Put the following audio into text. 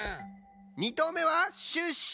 ２とうめはシュッシュ！